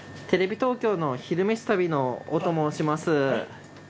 テレビ東京の「昼めし旅」の呉と申します。